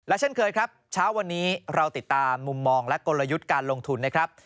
เช่นเคยครับเช้าวันนี้เราติดตามมุมมองและกลยุทธ์การลงทุนนะครับ